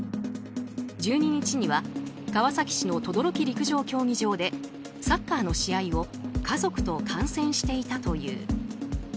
１２日には川崎市の等々力陸上競技場でサッカーの試合を家族と観戦していたという。